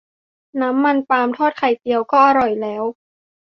น้ำมันปาล์มทอดไข่เจียวก็อร่อยแล้ว